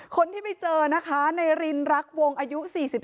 คนที่ไปเจอนะคะในรินรักวงอายุ๔๓